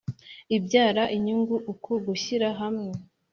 ibyara inyungu. uku gushyira hamwe